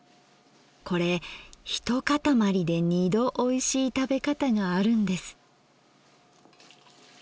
これ一塊で二度おいしい食べ方があるんです。